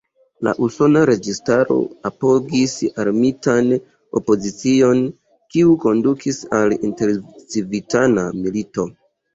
La usona registaro apogis armitan opozicion, kiu kondukis al intercivitana milito.